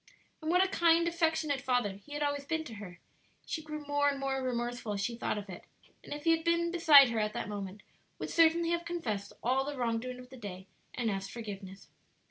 And what a kind, affectionate father he had always been to her; she grew more and more remorseful as she thought of it; and if he had been beside her at that moment would certainly have confessed all the wrong doing of the day and asked forgiveness.